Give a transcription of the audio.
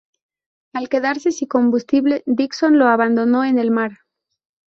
Al quedarse sin combustible, Dixon lo abandonó en el mar.